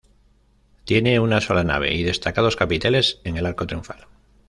Tiene una sola nave y destacados capiteles en el arco triunfal.